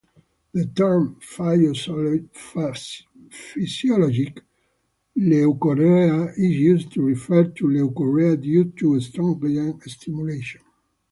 The term "physiologic leukorrhea" is used to refer to leukorrhea due to estrogen stimulation.